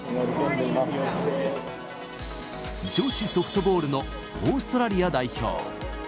女子ソフトボールのオーストラリア代表。